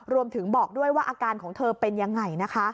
บอกด้วยว่าอาการของเธอเป็นยังไงนะคะ